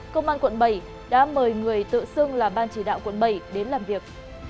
công an quận bảy đã mời người tự xưng là ban chỉ đạo quận bảy đến làm việc